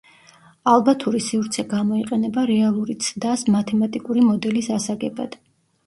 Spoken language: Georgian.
ალბათური სივრცე გამოიყენება რეალური ცდას მათემატიკური მოდელის ასაგებად.